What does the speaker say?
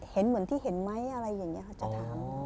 เห็นเหมือนที่เห็นไหมอะไรอย่างนี้ค่ะจะถาม